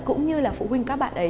cũng như là phụ huynh các bạn ấy